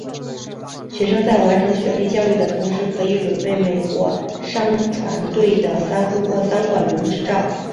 学生在完成学历教育的同时可以准备美国商船队的三副或三管轮执照。